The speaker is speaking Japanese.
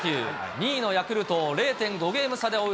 ２位のヤクルトを０．５ゲーム差で追う